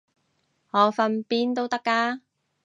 我瞓邊都得㗎